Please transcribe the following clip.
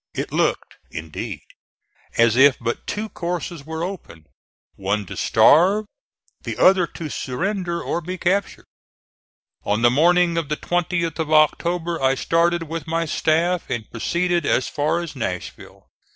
It looked, indeed, as if but two courses were open: one to starve, the other to surrender or be captured. On the morning of the 20th of October I started, with my staff, and proceeded as far as Nashville.